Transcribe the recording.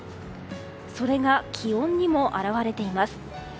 それが気温にも表れています。